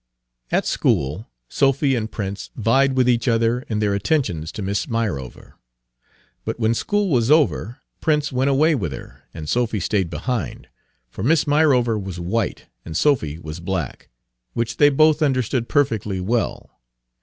At school Sophy and Prince vied with each other in their attentions to Miss Myrover. But when school was over, Prince went away with her, and Sophy stayed behind; for Miss Myrover was white and Sophy was black, which they both understood perfectly well.